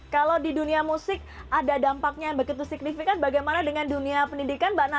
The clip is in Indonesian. kalau di dunia musik ada dampaknya yang begitu signifikan bagaimana dengan dunia pendidikan mbak nana